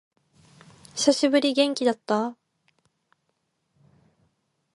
久しぶり。元気だった？